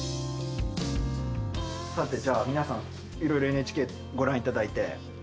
さてじゃあ皆さんいろいろＮＨＫでご覧頂いて。